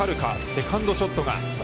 セカンドショットが。